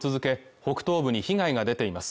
北東部に被害が出ています